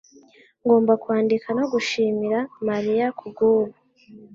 Ngomba kwandika no gushimira Mariya kubwubu